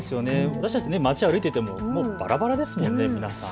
私たち、街を歩いていてもばらばらですものね。